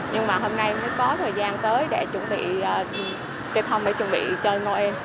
nhưng mà hôm nay mới có thời gian tới để chuẩn bị cây thông để chuẩn bị chơi noel